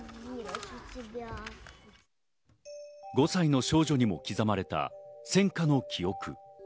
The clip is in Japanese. ５歳の少女にも刻まれた戦禍の記憶。